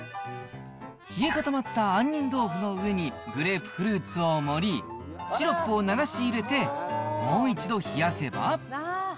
冷え固まった杏仁豆腐の上に、グレープフルーツを盛り、シロップを流し入れて、もう一度冷やせば。